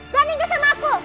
berani gak sama aku